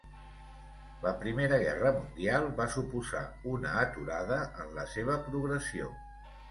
La Primera Guerra Mundial va suposar una aturada en la seva progressió.